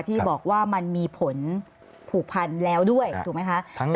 ที่บอกว่ามันมีผลผูกพันแล้วด้วยถูกไหมคะ